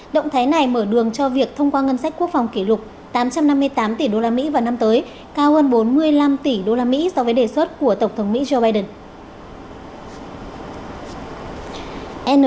động thái này mở đường cho việc thông qua ngân sách quốc phòng kỷ lục tám trăm năm mươi tám tỷ usd vào năm tới cao hơn bốn mươi năm tỷ usd so với đề xuất của tổng thống mỹ joe biden